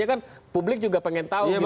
ya ya bang